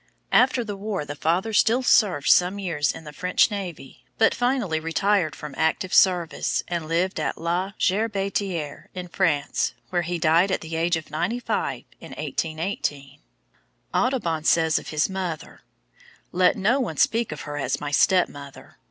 After the war the father still served some years in the French navy, but finally retired from active service and lived at La Gerbétière in France, where he died at the age of ninety five, in 1818. Audubon says of his mother: "Let no one speak of her as my step mother.